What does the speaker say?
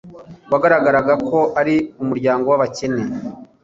Wagaragaraga ko ari umuryango w'abakene;